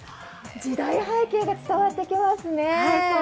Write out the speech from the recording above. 時代背景が伝わってきますね。